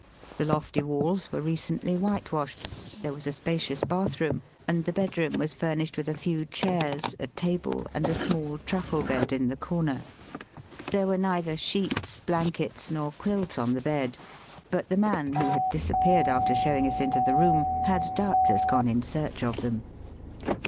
The lofty walls were recently whitewashed; there was a spacious hath room, and the hedroom was furnished with a few chairs, a table, and a small truckle bed in the comer. There were neither sheets, blankets, nor quilt on the bed ; but the man, who had disappeared after show ing us into the room, had doubtless gone in search of them.